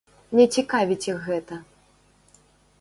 Не цікавіць іх гэта.